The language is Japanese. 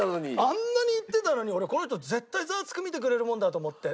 あんなに言ってたのに俺この人絶対『ザワつく！』見てくれるもんだと思って。